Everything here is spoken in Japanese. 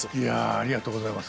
ありがとうございます。